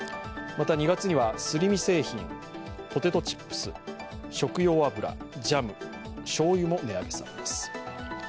また２月にはすり身製品、ポテトチップス、食用油、ジャム、しょうゆも値上げされます。